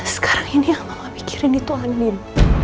sekarang ini yang mama pikirin itu anin